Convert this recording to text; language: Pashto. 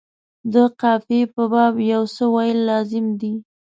د قافیې په باب یو څه ویل لازم دي.